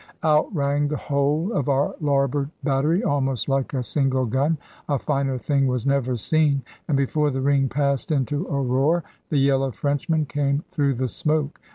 Out rang the whole of our larboard battery, almost like a single gun; a finer thing was never seen; and before the ring passed into a roar, the yell of Frenchmen came through the smoke.